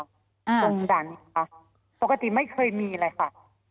ตรงดันค่ะปกติไม่เคยมีเลยค่ะ